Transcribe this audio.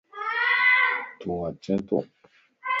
تُوا چين تو؟